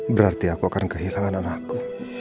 berarti aku akan kehilangan anakku